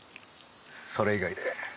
それ以外で。